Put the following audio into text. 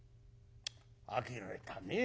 あきれたねえ。